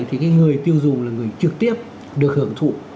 thì người tiêu dùng là người trực tiếp được hưởng thụ